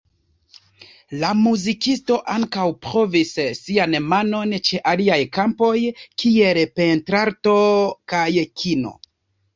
La muzikisto ankaŭ provis sian manon ĉe aliaj kampoj kiel pentrarto kaj kino.